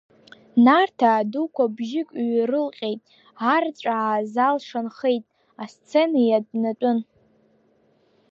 Нарҭаа дуқәа бжьык ҩарылҟьеит арҵәаа, азал шанхеит асцена иатәнатәын…